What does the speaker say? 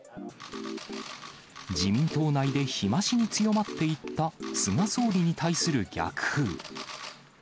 自民党内で日増しに強まっていった菅総理に対する逆風。